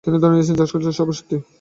তিনি ধরেই নিয়েছেন যা ঘটছে সবই সত্যি।